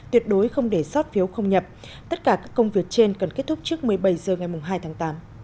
tuyệt đối không để sót phiếu không nhập tất cả các công việc trên cần kết thúc trước một mươi bảy h ngày hai tháng tám